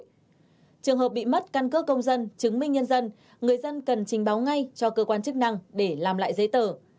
trường hợp bị mất căn cước công dân chứng minh nhân dân người dân cần trình báo ngay cho cơ quan chức năng để làm lại giấy tờ